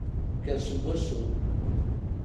Kker seg usu!